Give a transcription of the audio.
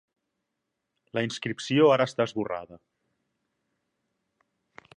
La inscripció ara està esborrada.